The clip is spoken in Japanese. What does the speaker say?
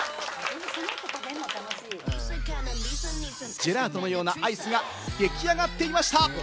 ジェラートのようなアイスが出来上がっていました。